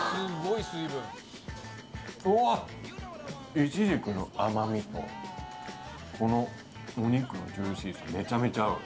うわっ、いちじくの甘みと、このお肉のジューシーさ、めちゃくちゃ合う。